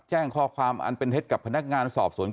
แจ้งข้อความอันเป็นเท็จกับพนักงานสอบสวน